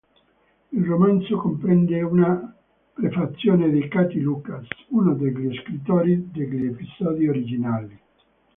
Il romanzo comprende una prefazione di Katie Lucas, uno degli scrittori degli episodi originali.